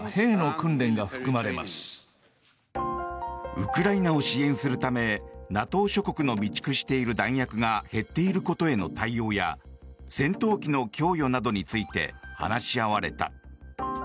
ウクライナを支援するためＮＡＴＯ諸国の備蓄している弾薬が減っていることへの対応や戦闘機の供与などについて話し合われた。